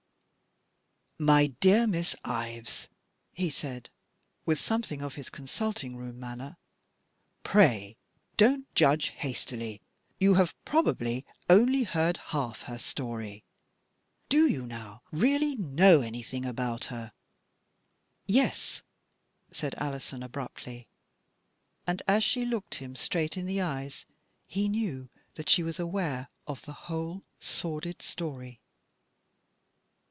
" My dear Miss Ives," he said, with some thing of his consulting room manner, " pray, don't judge hastily. You have probably only heard half the story. Do you, now, really know anything about her?" " Yes," said Alison abruptly. And, as she looked him straight in the eyes, he knew that she was aware of the whole sordid story.